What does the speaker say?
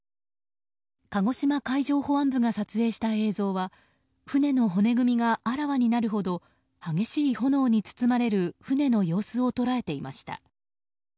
鹿児島海上保安部が撮影した映像は船の骨組みがあらわになるほど激しい炎に包まれる船の様子を捉えていました。